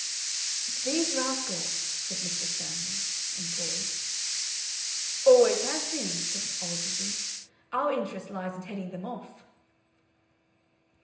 "It's these Rascals," said Mr. Stanley, and paused. "Always has been," said Ogilvy. "Our interest lies in heading them off."